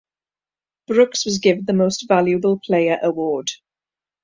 Brooks was given the Most Valuable Player award.